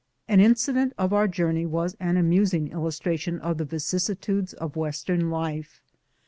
An incident of our journey was an amusing illustra tion of the vicissitudes of Western life.